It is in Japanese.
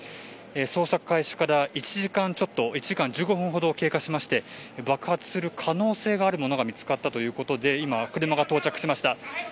捜索開始から１時間１５分ほど経過しまして爆発する可能性があるものが見つかったということで今、車が到着しました。